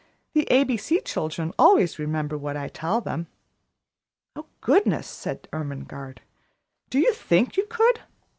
The A B C children always remember what I tell them." "Oh, goodness!" said Ermengarde. "Do you think you could?"